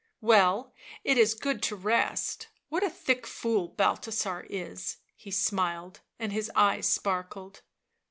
" Well, it is good to rest. What a thick fool Balthasar is !" He smiled, and his eyes sparkled.